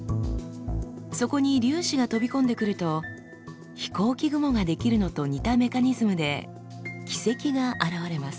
そこに粒子が飛び込んでくると飛行機雲が出来るのと似たメカニズムで軌跡が現れます。